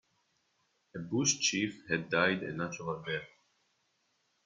A bush chief had died a natural death.